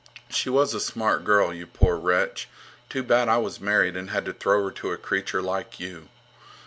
She was a smart girl, you poor wretch. Too bad I was married and had to throw her to a creature like you.